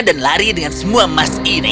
dan lari dengan semua emas ini